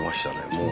もう。